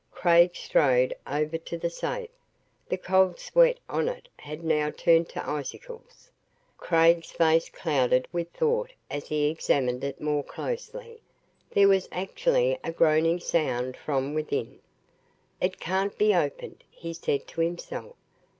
Craig strode over to the safe. The cold sweat on it had now turned to icicles. Craig's face clouded with thought as he examined it more closely. There was actually a groaning sound from within. "It can't be opened," he said to himself.